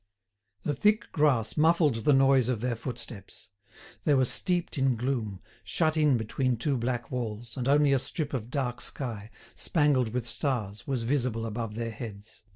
The thick grass muffled the noise of their footsteps. They were steeped in gloom, shut in between two black walls, and only a strip of dark sky, spangled with stars, was visible above their heads.